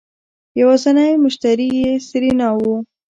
يوازينی مشتري يې سېرېنا وه.